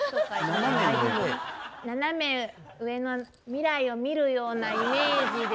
斜め上の未来を見るようなイメージで。